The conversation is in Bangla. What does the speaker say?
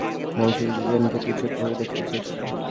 আমি শুধু দুজনকে দুচোঁখ ভরে দেখতে চেয়েছি।